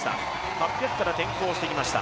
８００から転向してきました。